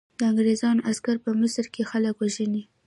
انګریزانو عسکر په مصر کې خلک وژني.